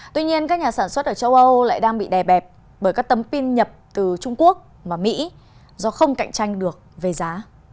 tuy nhiên các nhà sản xuất ở châu âu lại đang bị đè bẹp bởi các tấm pin nhập từ trung quốc và mỹ do không cạnh tranh được về giá